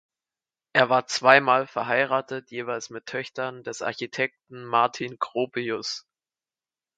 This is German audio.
Er war zweimal verheiratet, jeweils mit Töchtern des Architekten Martin Gropius.